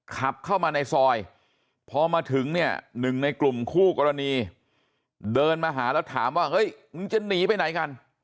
ขับเข้ามาในซอยพอมาถึงเนี่ยหนึ่งในกลุ่มคู่กรณีเดินมาหาแล้วถามว่าเฮ้ยมึงจะหนีไปไหนกัน